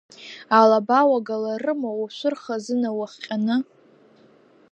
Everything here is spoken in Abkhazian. Алаба уагаларыма, ушәыр хазына уахҟьаны?